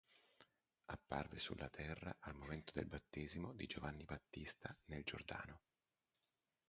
Apparve sulla terra al momento del battesimo di Giovanni Battista nel Giordano.